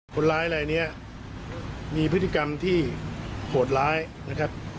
คนร้ายลายนี้มีพฤติกรรมที่โหดร้ายนะครับ